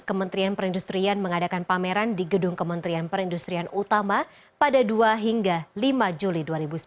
kementerian perindustrian mengadakan pameran di gedung kementerian perindustrian utama pada dua hingga lima juli dua ribu sembilan belas